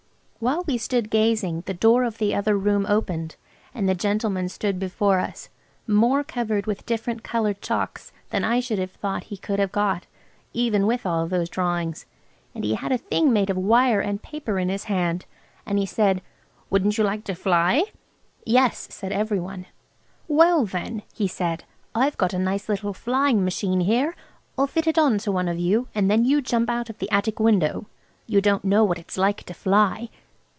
While we stood gazing, the door of the other room opened, and the gentleman stood before us, more covered with different coloured chalks than I should have thought he could have got, even with all those drawings, and he had a thing made of wire and paper in his hand, and he said– "Wouldn't you like to fly?" "Yes," said every one. "Well then," he said, "I've got a nice little flying machine here. I'll fit it on to one of you, and then you jump out of the attic window. You don't know what it's like to fly."